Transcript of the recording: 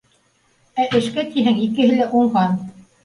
Ә эшкә тиһәң, икеһе лә уңған